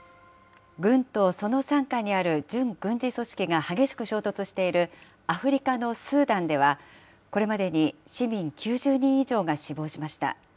軍とその傘下にある準軍事組織が激しく衝突しているアフリカのスーダンでは、これまでに市民９０人以上が死亡しました。